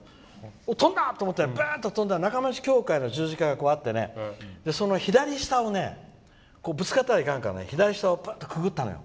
飛んだと思ってブーン！と飛んだら中町教会の十字架があってその左下をぶつかったらいかんからくぐったのよ。